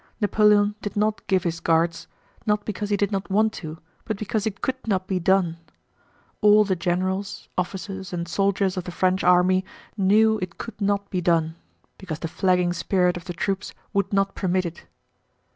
Napoleon did not give his Guards, not because he did not want to, but because it could not be done. All the generals, officers, and soldiers of the French army knew it could not be done, because the flagging spirit of the troops would not permit it.